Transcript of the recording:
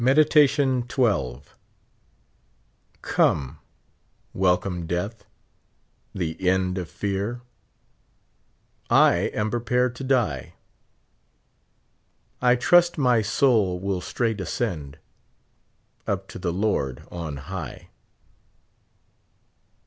Meditation XII. Come, welcome death, the end of fear, I am prepared to die ; 1 trust my soul will straight ascend, Up to the Lord on high.